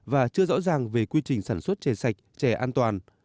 và chưa rõ ràng về quy trình sản xuất trẻ sạch trẻ an toàn